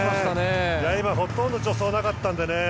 今、ほとんど助走がなかったので。